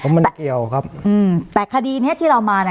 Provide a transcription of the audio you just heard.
มันเกี่ยวครับอืมแต่คดีเนี้ยที่เรามา